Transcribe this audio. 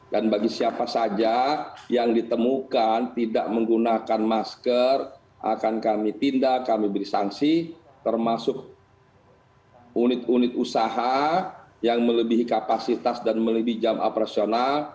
dan bagi siapa saja yang ditemukan tidak menggunakan masker akan kami tindak kami beri sanksi termasuk unit unit usaha yang melebihi kapasitas dan melebihi jam operasional